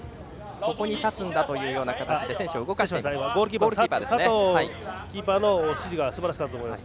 ここに立つんだという形で選手を動かします。